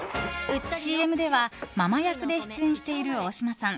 ＣＭではママ役で出演している大島さん。